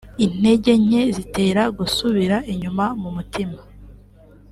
intege nke zitera gusubira inyuma mu mutima